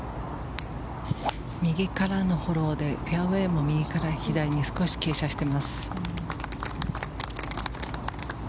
右からのフォローでフェアウェーも右から左に少し傾斜しています。